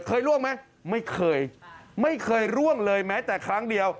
ล่วงไหมไม่เคยไม่เคยร่วงเลยแม้แต่ครั้งเดียว